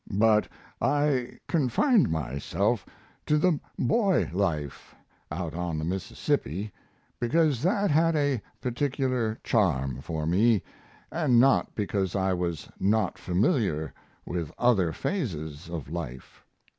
But I confined myself to the boy life out on the Mississippi because that had a peculiar charm for me, and not because I was not familiar with other phases of life.